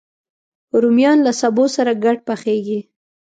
رومیان له سبو سره ګډ پخېږي